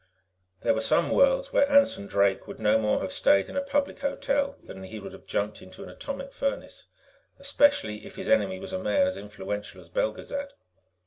There were some worlds where Anson Drake would no more have stayed in a public hotel than he would have jumped into an atomic furnace, especially if his enemy was a man as influential as Belgezad.